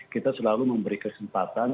kita selalu memberi kesempatan